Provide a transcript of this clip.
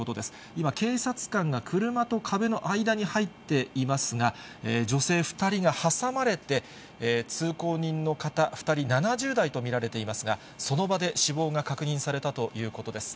今、警察官が車と壁の間に入っていますが、女性２人が挟まれて、通行人の方２人、７０代と見られていますが、その場で死亡が確認されたということです。